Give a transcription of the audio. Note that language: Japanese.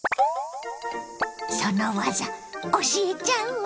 その技教えちゃうわ！